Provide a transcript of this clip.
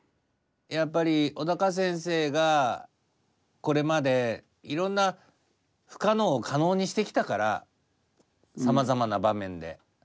やっぱり小鷹先生がこれまでいろんな不可能を可能にしてきたからさまざまな場面で。